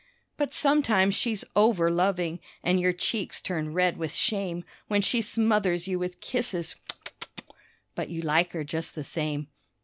But sometimes she's over loving, an' your cheeks turn red with shame When she smothers you with kisses, but you like her just the same.